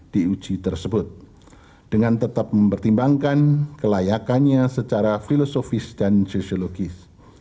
di uji tersebut dengan tetap mempertimbangkan kelayakannya secara filosofis dan sisiologis